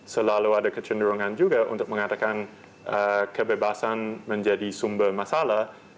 selalu ada kecenderungan juga untuk mengatakan kebebasan menjadi sumber masalah